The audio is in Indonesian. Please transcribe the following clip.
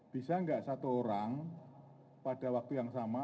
bisa nggak satu orang pada waktu yang sama